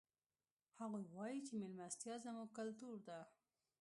هغوی وایي چې مېلمستیا زموږ کلتور ده